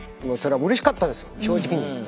もうそれはうれしかったです正直に。